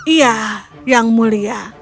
iya yang mulia